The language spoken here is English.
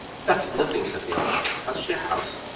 "That is nothing!" said the old folks. "Has she a house?"